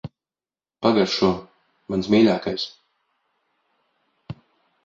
Pagaršo. Mans mīļākais.